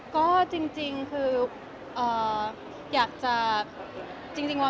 ก็จริงคืออยากจะ